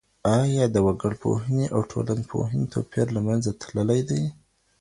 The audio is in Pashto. آیا د وګړپوهني او ټولنپوهني توپیر له منځه تللی دی؟